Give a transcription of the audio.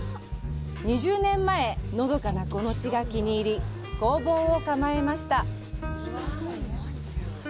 ２０年前、のどかなこの地が気に入り工房を構えました。